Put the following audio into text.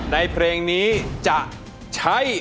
ในเพลงนี้จะใช้